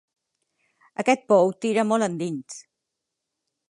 Aquest pou tira molt endins.